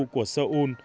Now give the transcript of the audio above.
khu hà nội